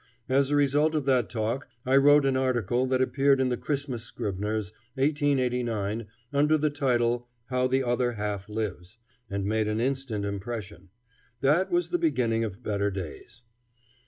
As a result of that talk I wrote an article that appeared in the Christmas Scribner's, 1889, under the title "How the Other Half Lives," and made an instant impression. That was the beginning of better days.